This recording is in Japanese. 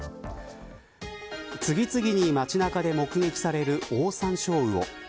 次々に街中で目撃されるオオサンショウウオ。